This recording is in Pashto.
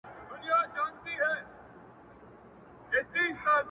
گوره را گوره وه شپوږمۍ ته گوره~